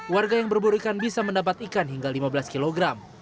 warga yang berburu ikan bisa mendapat ikan hingga lima belas kg